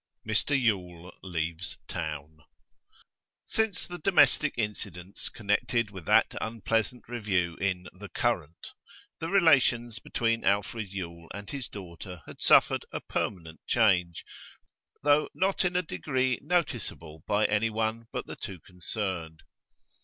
MR YULE LEAVES TOWN Since the domestic incidents connected with that unpleasant review in The Current, the relations between Alfred Yule and his daughter had suffered a permanent change, though not in a degree noticeable by any one but the two concerned.